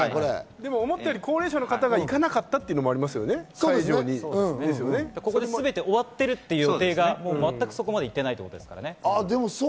思ったより高齢者の方がいかなかったというのも全て終わってるという予定が全くそこまで行っていないということですかね。